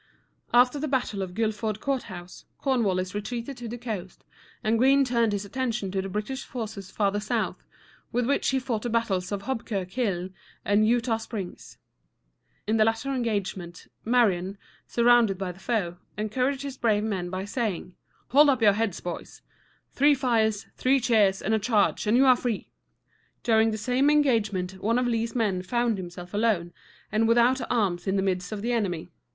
After the battle of Guilford Courthouse, Cornwallis retreated to the coast, and Greene turned his attention to the British forces farther south, with which he fought the battles of Hobkirk Hill and Eu´taw Springs. In the latter engagement, Marion, surrounded by the foe, encouraged his brave men by saying: "Hold up your heads, boys! Three fires, three cheers, and a charge, and you are free!" During the same engagement one of Lee's men found himself alone and without arms in the midst of the enemy.